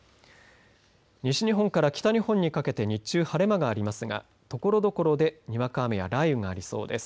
西日本から北日本にかけて日中、晴れ間がありますがところどころでにわか雨や雷雨がありそうです。